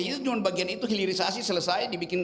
itu cuma bagian itu hilirisasi selesai dibikin